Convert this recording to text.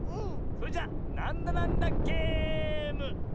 それじゃ「なんだなんだゲーム」スタート！